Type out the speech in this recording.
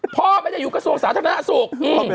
พ่อไม่ได้อยู่กระทรวงสาธารณสุข